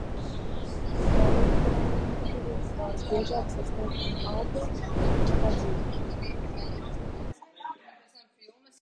Poliploīdija daudz biežāk sastopama augiem, nekā dzīvniekiem.